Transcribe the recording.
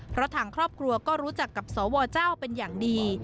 เพราะทางครอบครัวก็รู้จักกับสวเจ้าเป็นอย่างดี